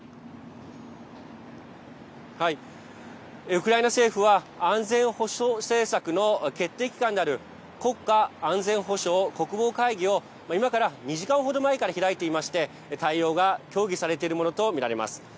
ウクライナ政府は安全保障政策の決定機関である国家安全保障・国防会議を今から２時間程前から開いていまして対応が協議されているものと見られます。